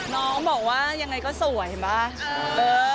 น้องบอกว่ายังไงก็สวยป่ะ